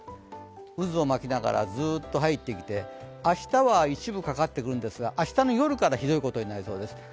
渦を巻きながら、ずっと入ってきて明日は一部かかってくるんですが、明日の夜からひどいことになりそうです。